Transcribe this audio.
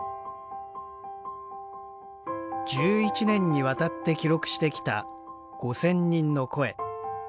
１１年にわたって記録してきた５，０００人の声。